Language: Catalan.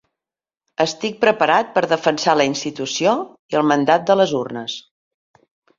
Estic preparat per defensar la institució i el mandat de les urnes.